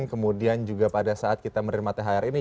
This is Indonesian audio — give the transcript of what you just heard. kemudian juga pada saat kita menerima thr ini